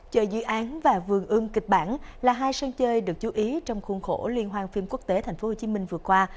chợ dự án và vườn ưng kịch bản là hai sân chơi được chú ý trong khuôn khổ liên hoan phim quốc tế tp hcm vừa qua